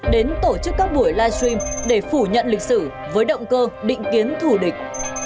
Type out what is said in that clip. đến tổ chức các buổi livestream để phủ nhận lịch sử với động cơ định kiến thủ địch